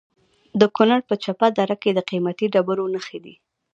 د کونړ په چپه دره کې د قیمتي ډبرو نښې دي.